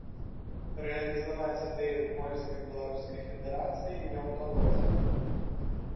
Рэалізаваць ідэю польска-беларускай федэрацыі не ўдалося.